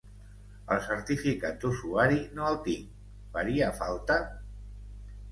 El certificat d'usuari no el tinc, faria falta?